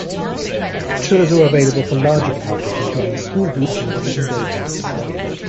Tours are available for larger parties including school groups and visiting day camps.